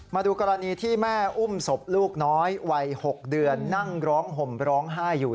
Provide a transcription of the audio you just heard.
มาดูกรณีที่แม่อุ้มศพลูกน้อยวัย๖เดือนนั่งร้องห่มร้องไห้อยู่